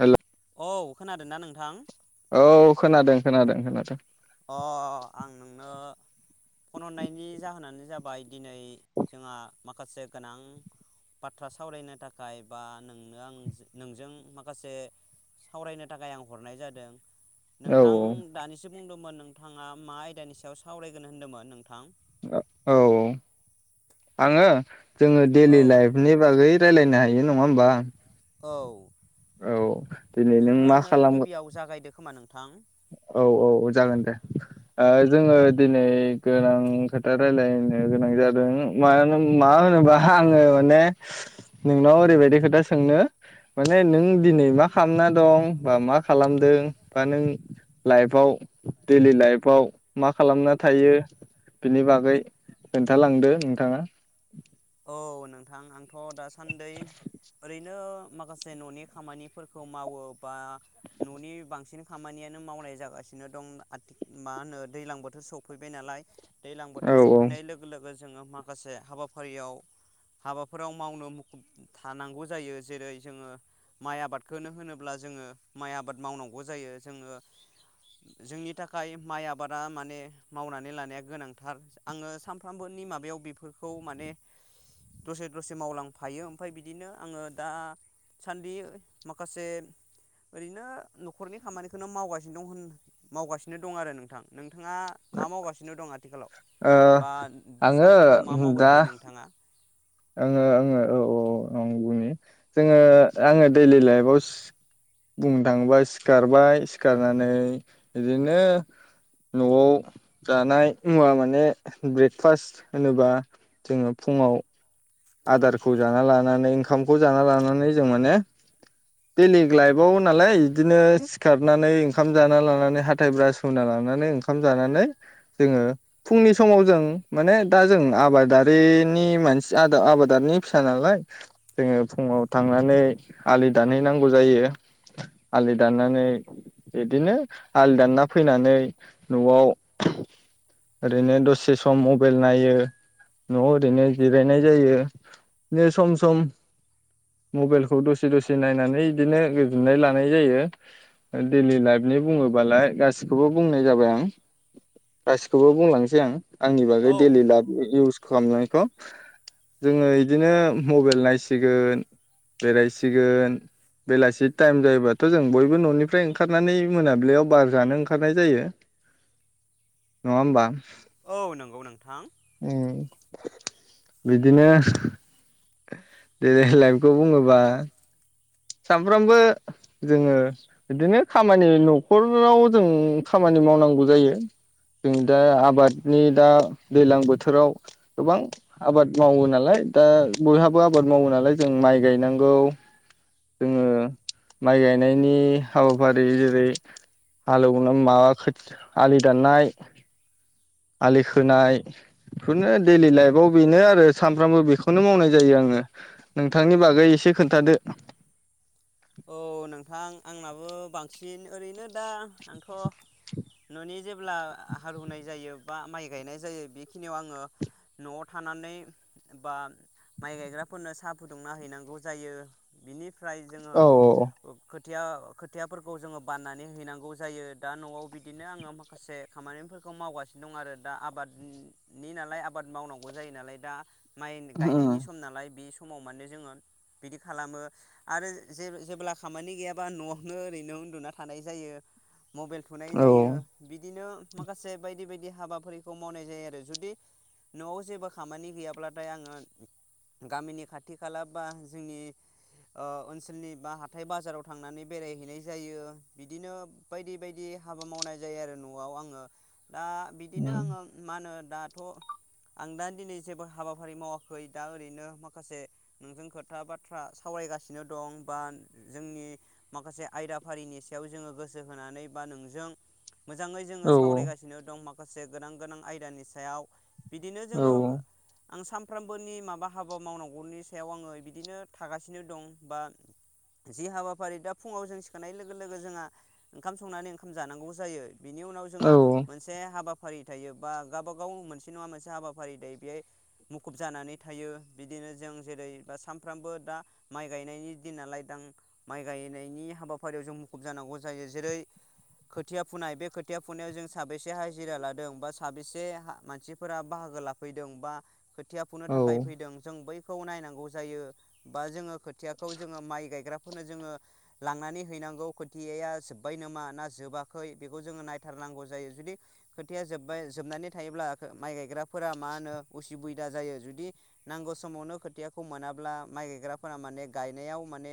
हेल' औ खोनादों ना नोंथां? औ खोनादों खोनादों खोनादों। अ आं नोंनो फन हरनायनि जाहोनानो जाबाय दिनै जोंहा माखासे गोनां बाथ्रा सावरायनो थाखाय बा नोंनो आं नोंजों माखासे सावरायनो थाखाय आं हरनाय जादों। औ नोंथां दानिसो बुंदों होमबाथ नोंथाङा मा आयदानि सायाव सावरायगोन होन्दोंमोन नोंथां? औ आङो जोङो औ डेलि लाइफनि बागै रायलायनो हायो नङा होमबा औ औ दिनै नों मा नोंथाङानो खालाम गिबियाव जागायदो खोमा नों थां औ औ जागोन दे ओ जोङो दिनै गोनां खोथा रायलायनो गोनां जादों मानो मा होनोबा आङो माने नोंनाव ओरैबायदि खोथा सोंनो माने नों दिनै मा खालामना दं बा मा खालामदों बा नों लाइफआव डैलि लाइफआव मा खालामना थायो बिनि बागै खोन्थालांदो नोंथाङा औ नोंथां आंथ दासान्दै ओरैनो माखासे ननि खामानिफोरखौ मावो बा ननि बांसिन खामानियानो मावनाय जागासिनो दं आथि मा होनो दैज्लां बोथोर सफैबाय नालाय दैलां औ बोथोर ओ सौफैनाय लोगो लोगो जोङो माखासे हाबा फारियाव हाबाफोराव मावनो मुब थानांगौ जायो। जेरै जोङो माइ आबादखौनो होनोब्ला जोङो माइ आबाद मावनांगौ जायो। जोङो जोंनि थाखाय माइ आबादा माने मावनानै लानाया गोनांथार आङो सामफ्रामबोनि माबायाव बेफोरखौ माने दसे दसे मावलांफायो ओमफाय बिदिनो आंङो दा सान्दि माखासे ओरैनो न'खरनि खामानिखोनो मावगासिनो दं होन मावगासिनो दं आरो नोंथां नोंथाङा मा मावगासिनो दं आथिखालाव बा आङो सानफ्रामबो मा मावबाय दा थाय नोंथाङा आङो आङो औ औ आं बुंनि जोङो आङो डैलि लाइफआव बुंनो थाङोबा सिखारबाय सिखारनानै बिदिनो न'आव जानाय मुवा माने ब्रेकफास्ट होनोबा जोङो फुङाव आदारखौ जाना लानानै ओंखामखौ जाना लानानै जों माने डैलि लाइफआव नालाय बिदिनो सिखारनानै ओंखाम जाना लानानै हाथय ब्रास हुना लानानै ओंखाम जानानै जोङो फुंनि समाव जों माने दा जों आबादारिनि मानसि आबादारिनि फिसा नालाय जोङो फुङाव थांनानै आलि दानहैनांगौ जायो आलि दाननानै बिदिनो आलि दानना फैनानै नआव ओरैनो दसे सम मबाइल नायो नआव ओरैनो जिरायनाय जायो। बि सम सम मबाइलखौ दसे दसे नायनानै बिदिनो गोजोननाय लानाय जायो डैलि लाइफनि बुङोबालाय गासिखौबो बुंनाय जाबाय आं गासिखौबो बुंलांनोसै आं आंनि बागै औ डेलि नोंथां लाभ इउस खालामनाय [unintelligible] जोङो इदिनो मबाइल नायसिगोन बेरायसिगोन बेलासि टाइम जायोबाथ जों बयबो ननिफ्राय ओंखारनानै मोनाबिलियाव बार जानो ओंखारनाय जायो नङा होमबा औ नंगौ नोंथां। [inaudible] बिदिनो डेलि लाइफखौ बुङोबा। सानफ्रामबो जोङो बिदिनो खामानि न'खराव जों खामानि मावनांगौ जायो जों दा आबादनि दा दैलां बोथोराव गोबां आबाद मावो नालाय दा बयहाबो आबाद मावो नालाय जों माइ गायनांगौ जोङो माइ गायनायनि हाबाफारि जेरै हालेवनो मा खो आलि दाननाय आलि खोनाय बेफोरनो डैलि लाइफआव बेनो आरो सानफ्रामबो बेखौनो मावनाय जायो आङो नोंथांनि बागै एसे खोन्थादो। औ नोंथां आंनाबो बांसिन ओरैनो। दा आंथ ननि जे ब्ला हालवनाय जायो बा माइ गायनाय जायो बेखिनियाव आङो नआव थानानै बा माइ गायग्राफोरनो साहा फुदुंना हैनांगौ जायो बिनिफ्राय जोङो औ औ। खोथिया खोथियाफोरखौ जोङो बाननानै हैनांगौ जायो दा नआव बिदिनो आङो माखासे खामानिफोरखौ मावगासिनो दं आरो दा आबादनि नालाय आबाद मावनांगौ जायो नालाय दा। माइ गायनायनि सम नालाय बे। समाव माने जोङो बिदि खालामो आरो। जे जेब्ला खामानि गैयाबा नआवनो ओरैनो उन्दुना थानाय जायो। मबाइल थुनाय जायो बिदिनो। माखासे बायदि बायदि हाबाफखौ मावनाय जायो आरो जुदि नआव जेबो खामानि गैयाब्लाथाय आङो गामिनि खाथि खाला बा जोंनि ओनसोल ओनसोलनि बा हाथाय बाजाराव थांनानै बेरायहैनाय जायो बिदिनो बायदि बायदि हाबा मावनाय जायो आरो न'आव आङो। दा बिदिनो आङो मा होनो। दाथ आं दा दिनै जेबो हाबाफारि मावाखै दा ओरैनो माखासे नोंजों खोथा बाथ्रा सावरायगासिनो दं। बा जोंनि माखासे आयदाफारिनि सायाव जोङो गोसो होनानै बा नोंजों। मोजाङै औ जोङो सावरायगासिनो दं। माखासे गोनां गोनां आयदानि सायाव। बिदिनो औ जोङो। आं सानफ्रोमबोनि माबा हाबा मावनांगौनि सायाव आङो बिदिनो थागासिनो दं बा। जि हाबाफारि दा फुङाव जों सिखोनानाय लोगो लोगो जोंहा ओंखाम संनानै ओंखाम जानांगौबो जायो। बिनि उनाव औ जोंहा मोनसे हाबा। हाबाफारि थायो बा गावबा गाव मोनसे नङा मोनसे हाबाफारि थायो बेहाय मुखुब जानानै थायो बिदिनो जों जेरै बा सानफ्रामबो दा माइ गायनायनि दि नालाय दां माइ गायनायनि हाबाफारियाव जों मुखुब जानांगौ जायो जेरै खोथिया फुनाय बे खोथिया फुनायाव जों साबेसे हाजिरा लादों बा साबेसे मानसिफोरा बाहागो लाफैदों बा थिया फुनो औ थाखाय फैदों जों बै। खौ नायनांगौ जायो बा जोङो। खौ जोङो माइ गायग्रा फोरनो जोङो लांनानै हैनांगौ खोथिया जोबबाय नामा ना जोबाखै बेखौ जोङो नायथारनांगौ जायो जुदि खोथिया जोबबाय जोबनानै थायोब्ला माइ गायग्राफोरा मा होनो उसुबिदा जायो जुदि नांगौ समावनो खोथियाखौ मोनाब्ला माइ गायग्राफोरा माने गायनायाव माने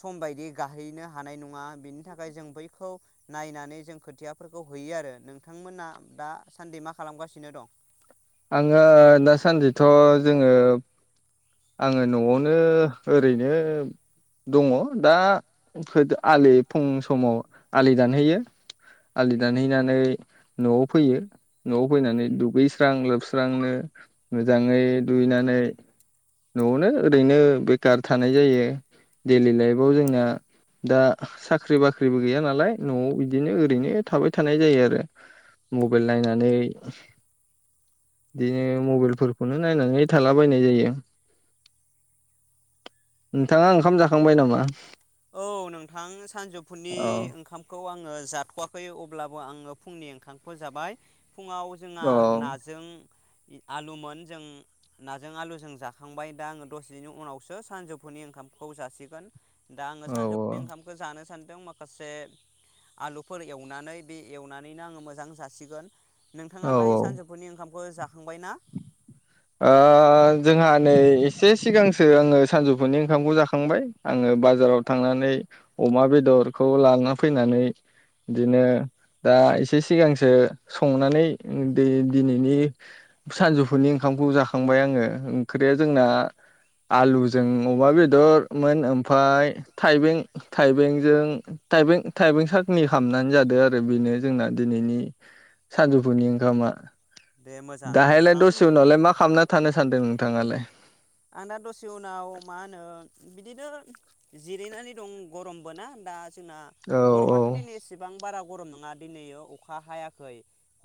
सम बायदि गाहैनो हानाय नङा बिनि थाखाय जों बैखौ नायनानै जों खोथियाफोरखौ हैयो आरो नोंथांमोना दासान्दि मा खालामगासिनो दं। आङो दासानदिथ जोङो आङो न'आवनो ओरैनो दङ दा आलि फुं समाव आलि दानहैयो आलि दानहैनानै नआव फैयो नआव फैनानै दुगै स्रां लोबस्रांनो मोजाङै दुगैनानै न'आवनो ओरैनो बेखार थानाय जायो डेलि लाइफआव जोंना दा साख्रि बाख्रिबो गैया नालाय न'आव बिदिनो ओरैनो थाबाय थानाय जायो आरो मबाइल नायनानै बिदिनो मबाइलफोरखौनो नायनानै थालाबायनाय जायो नोंथाङा ओंखाम जाखांबाय नामा। औ नोंथां सानजौफुनि ओंखामखौ आङो। जाथवाखै अब्लाबो आङो फुंनि ओंखामखौ जाबाय। फुङाव जोंहा औ नाजों। इ आलुमोन जों नाजों आलुजों जाखांबाय दा आंङो दसेनि उनावसो सानजौफुनि ओंखामखौ जासिगोन दा आंङो औ सानजौै औ ओंखामखौ जानो सान दों माखासे आलुफोर एवनानै बे एवनानैनो आंङो मोजां जासिगोन औ ओ नोंथाङालाय सानजौफुनि ओंखाम बो जाखांबाय ना? ओ जोंहा नै एसे सिगांसो आंङो सानजौफुनि ओंखामखौ जाखांबाय आंङो बाजाराव थांनानै अमा बेदरखौ ला फैनानै दिनो दा एसे सिगांसो संनानै दै दिनैनि सानजौफुनि ओंखामखौ जाखांबाय आंङो ओंख्रिया जोंना आलुजों अमा बेदरमोन ओमफाय थाइबें थाइबेंजों थाइबें थाइबें साखनि खालामामनानै जादों आरो बेनो जोंना दिनैनि सानजुफुनि ओंखामा। दे मोजांङानो नोंथां से उनावलाय मा खालामना थानो सान्दों नोंथाङालाय? आं दा दसे उनाव मा होनो बिदिनो जिरायनानै दं गरमबोना दा जोंना औ गरमाथ दिनै एसेबां बारा गरम नंङा दिनैओ अखा हायाखै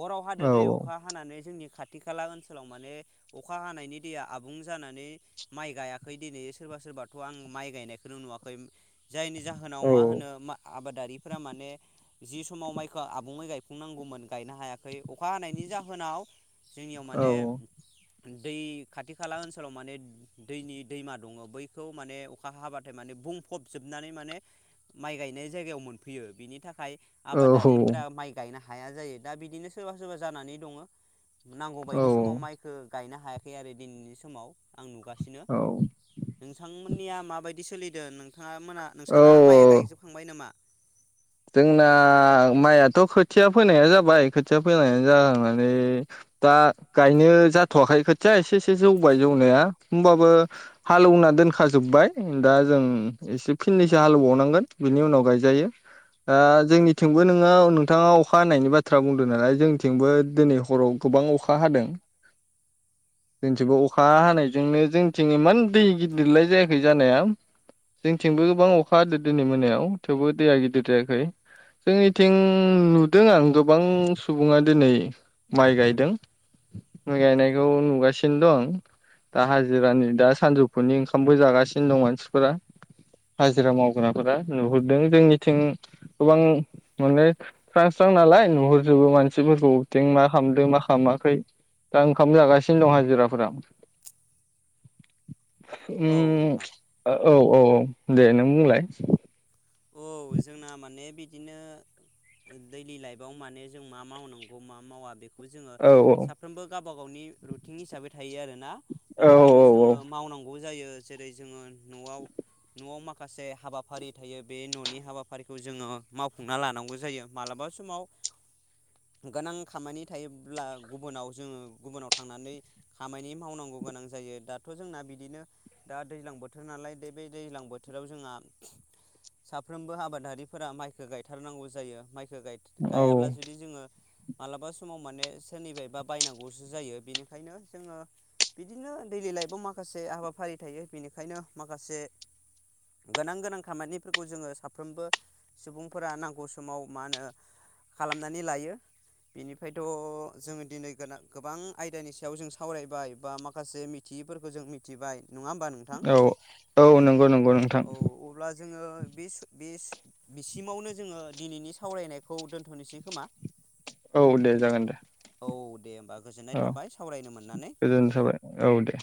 हराव औ हादो दैे अखा हानानै जोंनि खाथि खाला ओनसोलाव माने अखा हानायनि दैया आबुं जानानै माइ गायाखै दिनै सोरबा सोरबाथ आं माइ गायनायखौनो नुवाखै जायनि जाहोनाव मा औ होनो मा आबाद दारिफोरा माने जि समाव माइखौ आबुंङै गायफुंनांगौमोन गायनो हायाखै अखा हानायनि जाहोनाव जोंनियाव माने औ दै खाथि खाला ओनसोलाव माने दैनि दैमा दंङ बैखौ माने अखा हाबाथाय माने बुंफबजोबनानै माने माइ गायनाय जायगायाव मोनफैयो बिनि थाखाय आबादारिफोरा माइ गायनो हाया जायो दा बिदिनो सोरबा सोरबा जानानै दंङ नांगौ बायदि समाव माइखो गायनो हाया खै आरो दिनैनि समाव आं नुगासिनो औ नोंथांमोननिया माबाय दि सोलिदों नों थांङा मोना नोंसाना माइया औ गायजोबखांबाय नामा? जोंना माइयाथ खोथिया फोननाया जाबाय खोथिया फोननायानो जानानै दा गायनो जाथवाखै खोथिया एसे एसे जौबाय जौनाया होनबाबो हालौना दोनखाजोब्बाय दा जों एसे फिननैसो हालौबावनांगोन बिनि उनाव गायजायो। आ जोंनिथिंबो नोंङो नोंथाङा अखा हानायनि बाथ्रा बुंदों नालाय जोंथिंबो दिनै हराव गोबां अखा हादों। जोंथिंबो अखा हानायजोंनो जोंनिथिं इमान दै गिदिरलाय जायाखै जानाया जोंथिंबो गोबां अखा हादों दिनै मोनायाव थेवबो दैया गिदिर जाया खै जोंनिथिं नुदों आं गोबां सुबुंङा दिनै माइ गायदों माइ गायनायखौ नुगासिनो दंं दा हाजिरानि दा सानजौफुनि ओंखामबो जागासिनो दं मानसिफोरा हाजिरा मावग्राफोरा नुहुरदों जोंनिथिं गोबां माने स्रां स्रां नालाय नुहुरजोबो मानसिफोरखौथिं मा खालामदों मा खालामाखै दा ओंखाम जागासिनो दं हाजिराफोरा ओम औ नोंथां ओ औ औ दे नों बुंलाय औ जोंना माने बिदिनो दैलि लाइफआव माने जों मा मावनांगौ मा मावा बे खौ जोंङो औ साफ्रोमबो गाब गावबा गावनि रुटिन हिसाबै थायो आर ना। औ बेनिखायनो जोङो मावनांगौ। जायो जेरै जोङो। नआव नआव मा खासे हाबाफारि थायो। बे ननि हाबाफारिखौ जोङो मावफुंना लानांगौ जायो मालाबा समाव गोनां खामानि थायोब्ला गुबुनाव जोङो गुबुनाव थांनानै खामानि मावनांगौ गोनां जायो दाथ जोंना बिदिनो दा दैज्लां बोथोर नालाय बे दैज्लां बोथोराव जोंहा। साफ्रोमबो आबादारिफोरा माइखो गायथारनांगौ जायो माय गाय औ गायाब्ला जुदि जोङो मालाबा समाव माने सोरनिबायबा बायनांगौसो जायो बेनिखायनो जोङो बिदिनो दैलि लाइफआव माखासे हाबाफारि थायो बेनिखायनो माखासे गोनां गोनां खामानि बेफोरखौ जोङो साफ्रोमबो सुबुंफोरा नांगौ समाव मा होनो खालामनानै लायो बेनिफ्रायथ जोङो दिनै गोबां आयदानि सायाव जों सावरायबाय बा माखासे मिथियैफोरखौ जों मिथिबाय नङा होमबा नोंथां औ औ नंगौ नंगौ नोंथां औ अब्ला जोङो बेस बेस बिसिमावनो जोङो दिनैनि सावरायनायखौ दोन्थनोसै खोमा औ दे जागोन दे औ दे होमबा गोजोननाय औ थाबाय सावरायनो मोननानै गोजोन थाबाय औ दे।